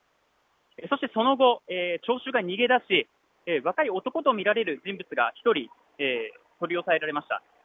そしてその後、聴衆が逃げ出し若い男と見られる人物が１人取り押さえられました。